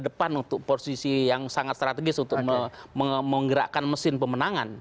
depan untuk posisi yang sangat strategis untuk menggerakkan mesin pemenangan